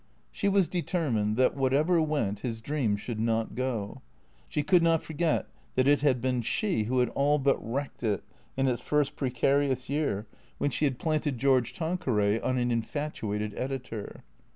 She was determined that, whatever went, his dream should not go. She could not forget that it had been she who had all but wrecked it in its first precarious year when she had planted George Tan queray on an infatuated editor.